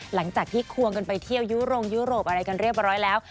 หลังจากที่ควงกันไปเที่ยวยุโรงยุโรปอะไรกันเรียบร้อยแล้ว